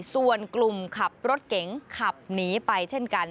ส่วนกลุ่มขับรถเก๋งขับหนีไปเช่นกัน